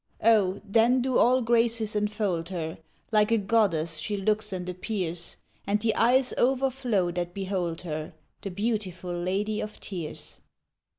Oh, then do all graces enfold her; Like a goddess she looks and appears, And the eyes overflow that behold her The beautiful Lady of Tears.